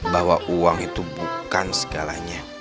bahwa uang itu bukan segalanya